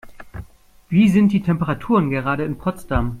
Wie sind die Temperaturen gerade in Potsdam?